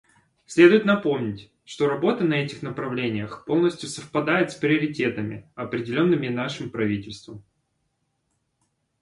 Следует напомнить, что работа на этих направлениях полностью совпадает с приоритетами, определенными нашим правительством.